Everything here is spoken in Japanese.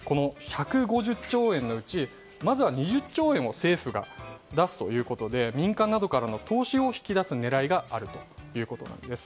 １５０兆円のうちまずは２０兆円を政府が出すということで民間などからの投資を引き出す狙いがあるということなんです。